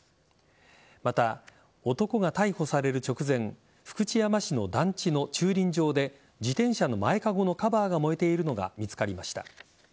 また、男が逮捕される直前福知山市の団地の駐輪場で自転車の前かごのカバーが燃えているのが見つかりました。